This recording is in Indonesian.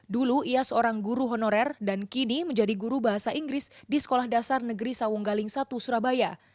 dulu ia seorang guru honorer dan kini menjadi guru bahasa inggris di sekolah dasar negeri sawung galing satu surabaya